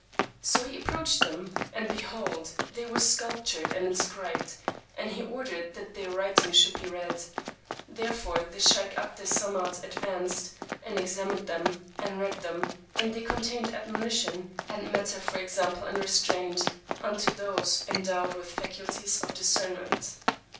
So he approached them, and behold, they were sculptured and inscribed; and he ordered that their writing should be read: therefore the sheykh Abd Es Samad advanced and examined them and read them; and they contained admonition, and matter for example and restraint, unto those endowed with faculties of discernment.